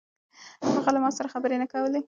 هغه له ما سره خبرې نه کولې.